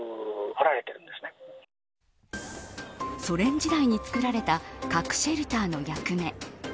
ソ連時代に作られた核シェルターの役目。